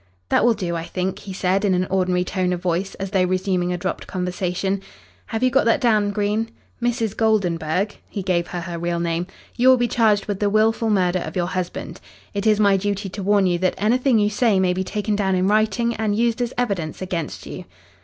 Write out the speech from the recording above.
"That will do, I think," he said in an ordinary tone of voice, as though resuming a dropped conversation. "Have you got that down, Green? Mrs. Goldenburg," he gave her her real name, "you will be charged with the wilful murder of your husband. It is my duty to warn you that anything you say may be taken down in writing and used as evidence against you."